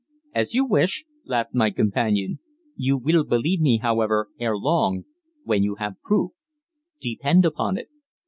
"As you wish," laughed my companion. "You will believe me, however, ere long when you have proof. Depend upon it."